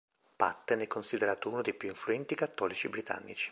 Patten è considerato uno dei più influenti cattolici britannici.